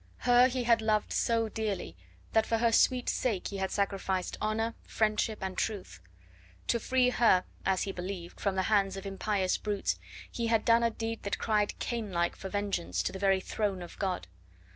Her he had loved so dearly, that for her sweet sake he had sacrificed honour, friendship and truth; to free her, as he believed, from the hands of impious brutes he had done a deed that cried Cain like for vengeance to the very throne of God.